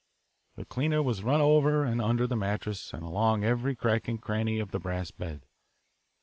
The cleaner was run over and under the mattress and along every crack and cranny of the brass bed.